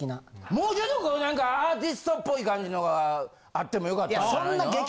もうちょっとこう何かアーティストっぽい感じのがあってもよかったんじゃないの？